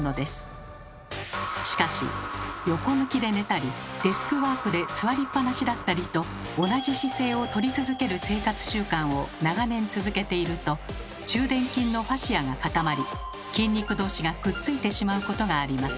しかし横向きで寝たりデスクワークで座りっぱなしだったりと同じ姿勢をとり続ける生活習慣を長年続けていると中臀筋のファシアが固まり筋肉同士がくっついてしまうことがあります。